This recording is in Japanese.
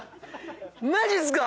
マジっすか。